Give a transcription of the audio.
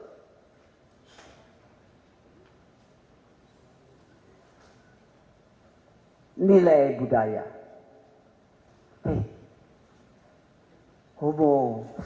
yang ada pada manusia tersebut